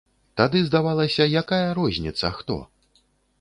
Тады здавалася, якая розніца хто?